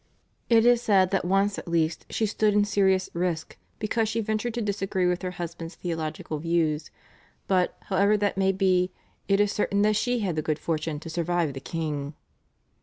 It is said that once at least she stood in serious risk because she ventured to disagree with her husband's theological views, but, however that may be, it is certain that she had the good fortune to survive the king.